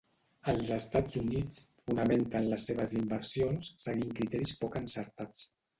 Els Estats Units fonamenten les seves inversions seguint criteris poc encertats.